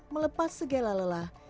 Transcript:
melepas segala lelah